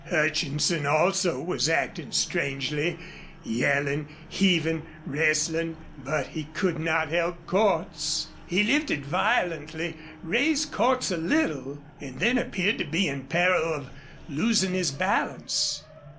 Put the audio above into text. Hutchinson also was acting strangely, yelling, heaving, wrestling. But he could not help Cordts. He lifted violently, raised Cordts a little, and then appeared to be in peril of losing his balance.